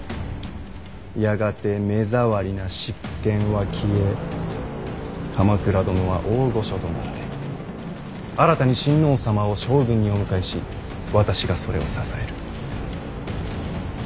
やがて目障りな執権は消え鎌倉殿は大御所となられ新たに親王様を将軍にお迎えし私がそれを支える。